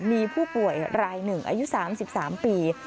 มีผู้ป่วยรายหนึ่งอายุ๓๓ปี